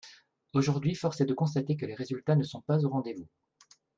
Aujourd’hui, force est de constater que les résultats ne sont pas au rendez-vous.